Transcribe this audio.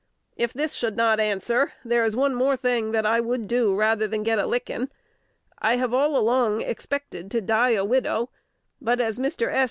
If this should not answer, there is one thing more that I would do rather than get a lickin'. I have all along expected to die a widow; but, as Mr. S.